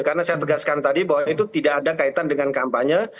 karena saya tegaskan tadi bahwa itu tidak ada kaitan dengan kampanye